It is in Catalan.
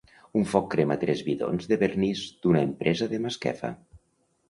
Un foc crema tres bidons de vernís d'una empresa de Masquefa.